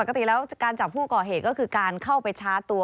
ปกติแล้วการจับผู้ก่อเหตุก็คือการเข้าไปชาร์จตัว